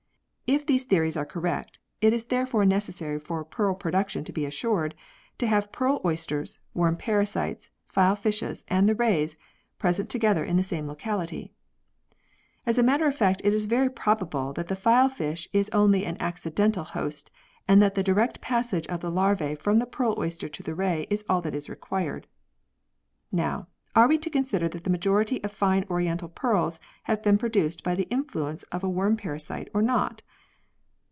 If these theories are correct, it is therefore neces sary for pearl production to be assured to have pearl oysters, worm parasites, file fishes and the rays, pre sent together in the same locality. As a matter of fact it is very probable that the file fish is only an accidental host and that the direct passage of the larva from the pearl oyster to the ray is all that is required 1 . Now, are we to consider that the majority of fine oriental pearls have been produced by the influence of worm parasites or not